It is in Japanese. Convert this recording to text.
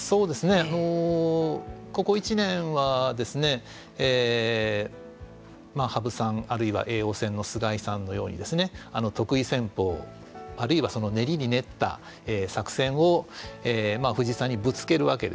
ここ１年は羽生さんあるいは叡王戦の菅井さんのように得意戦法あるいは練りに練った作戦を藤井さんにぶつけるわけですね。